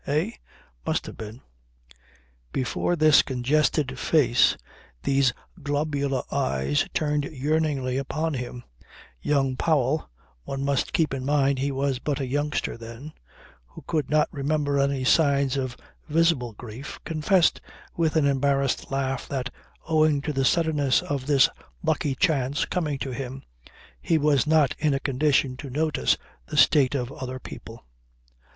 Eh? Must have been." Before this congested face, these globular eyes turned yearningly upon him, young Powell (one must keep in mind he was but a youngster then) who could not remember any signs of visible grief, confessed with an embarrassed laugh that, owing to the suddenness of this lucky chance coming to him, he was not in a condition to notice the state of other people.